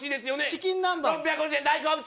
チキン南蛮６５０円大好物。